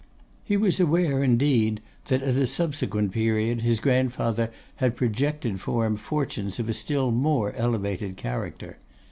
He was aware, indeed, that at a subsequent period his grandfather had projected for him fortunes of a still more elevated character.